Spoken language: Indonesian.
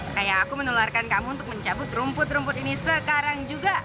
kayak aku menularkan kamu untuk mencabut rumput rumput ini sekarang juga